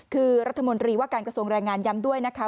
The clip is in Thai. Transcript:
คือรัฐมนตรีว่าการกระทรวงแรงงานย้ำด้วยนะคะ